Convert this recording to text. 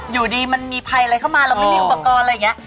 อยู่ดีมันมีภัยอะไรเข้ามาเราไม่มีอุปกรณ์อะไรอย่างนี้